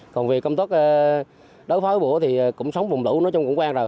còn việc công tốt đấu phói vũ thì cũng sống vùng lũ nó trông cũng quen rồi